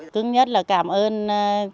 cứ nhất là cảm ơn